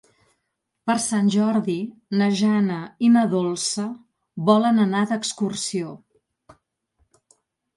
Per Sant Jordi na Jana i na Dolça volen anar d'excursió.